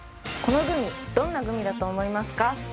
このグミどんなグミだと思いますか？